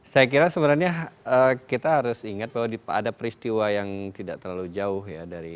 saya kira sebenarnya kita harus ingat bahwa ada peristiwa yang tidak terlalu jauh ya